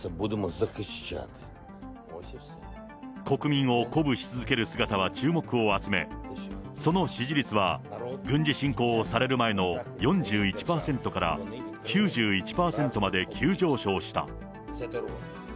国民を鼓舞し続ける姿は注目を集め、その支持率は軍事侵攻をされる前の４１％から９１％まで急上昇した。